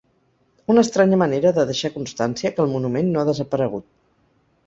Una estranya manera de deixar constància que el monument no ha desaparegut.